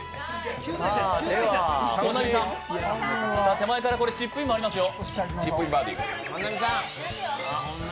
手前からこれチップインもありますよ。